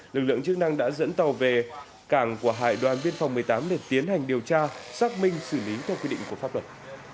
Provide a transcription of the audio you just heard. lực lượng chức năng đã dẫn tàu về cảng của hải đoàn biên phòng một mươi tám để tiến hành điều tra xác minh xử lý theo quy định của pháp luật